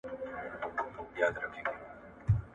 فردوسي د دري ژبې لوی شاعر دی.